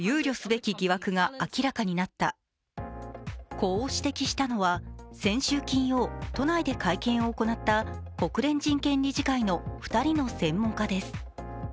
こう指摘したのは、先週金曜、都内で会見を行った国連人権理事会の２人の専門家です